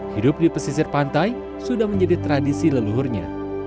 hidup di pesisir pantai sudah menjadi tradisi leluhurnya